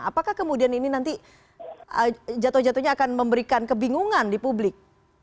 apakah kemudian ini nanti jatuh jatuhnya akan memberikan kebingungan di publik